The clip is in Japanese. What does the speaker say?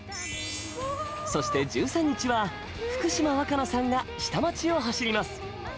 そして、１３日は福島和可菜さんが下町を走ります。